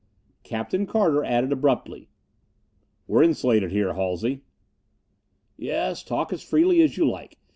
Captain Carter added abruptly, "We're insulated here, Halsey?" "Yes, talk as freely as you like.